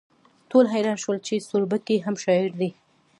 ټول حیران شول چې سوربګی هم شاعر دی